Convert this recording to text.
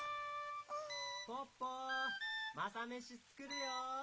・ポッポマサメシつくるよ！